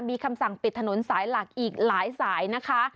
มีคำสั่งปิดถนนสายหลักอีกหลายสายนะคะ